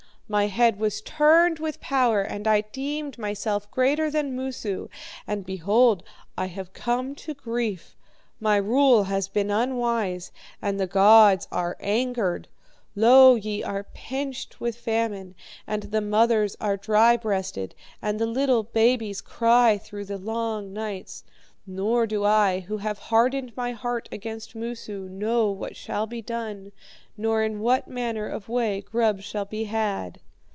My head was turned with power, and I deemed myself greater than Moosu, and, behold I have come to grief. My rule has been unwise, and the gods are angered. Lo, ye are pinched with famine, and the mothers are dry breasted, and the little babies cry through the long nights. Nor do I, who have hardened my heart against Moosu, know what shall be done, nor in what manner of way grub shall be had.'